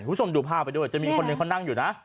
คุณผู้ชมดูภาพไปด้วยจะมีคนหนึ่งเขานั่งอยู่นะ